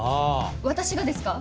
私がですか？